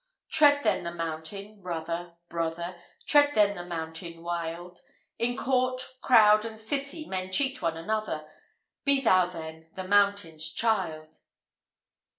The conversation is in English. Tread then the mountain, brother, brother! Tread then the mountain wild! In court, crowd, and city, men cheat one another; Be thou then the mountain's child.